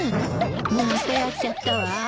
またやっちゃったわ。